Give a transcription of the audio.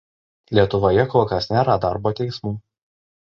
Lietuvoje kol kas nėra darbo teismų.